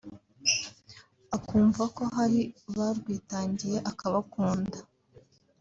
akumva ko hari barwitangiye akabakunda